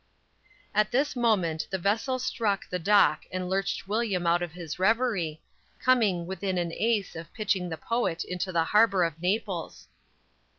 _ At this moment the vessel struck the dock and lurched William out of his reverie, coming "within an ace" of pitching the poet into the harbor of Naples.